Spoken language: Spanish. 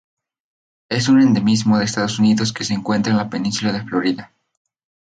Es un endemismo de Estados Unidos que se encuentra en la península de Florida.